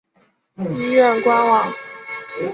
医院官网